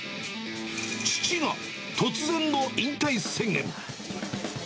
父が突然の引退宣言。